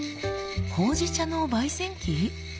ほうじ茶の焙煎機？